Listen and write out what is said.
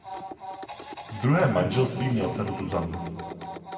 V druhém manželství měl dceru Zuzanu.